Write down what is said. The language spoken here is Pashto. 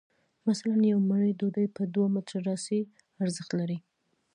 مثلاً یوه مړۍ ډوډۍ په دوه متره رسۍ ارزښت لري